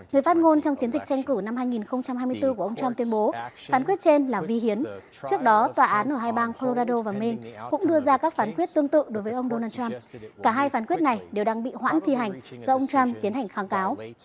người phát ngôn trong chiến dịch tranh cử năm hai nghìn hai mươi bốn của ông trump tuyên bố phán quyết trên là vi hiến trước đó tòa án ở hai bang colorado và maine cũng đưa ra các phán quyết tương tự đối với ông donald trump cả hai phán quyết này đều đang bị hoãn thi hành do ông trump tiến hành kháng cáo